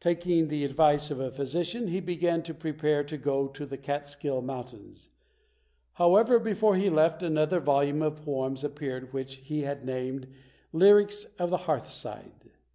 Taking the advice of a physician, he began to prepare to go to the Catskill Mountains. However, before he left, another volume of poems appeared which he had named "Lyrics of the Hearthside".